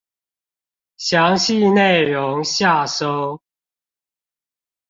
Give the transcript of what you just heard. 詳細內容下收